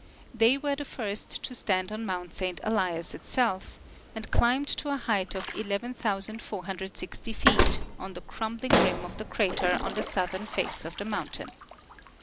They were the first to stand on mount Saint Elias itself, and climbed to a height of 11,4G0 feet on the crumbling rim of the crater on the southern face of the mountain.